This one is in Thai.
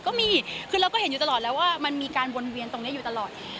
ก็มีคือเราก็เห็นอยู่ตลอดแล้วว่ามันมีการวนเวียนตรงนี้อยู่ตลอด